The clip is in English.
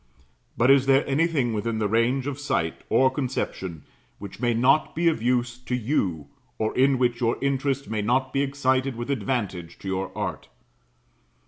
But is there anything within range of sight, or conception, which may not be of use to you, or in which your interest may not be excited with advantage to your art?